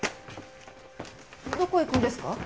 どこ行くんですか？